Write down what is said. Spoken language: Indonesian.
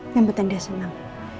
nyebutin dia senang